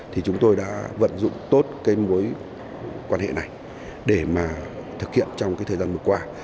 thì chúng tôi đã vận dụng tốt cái mối quan hệ này để mà thực hiện trong cái thời gian vừa qua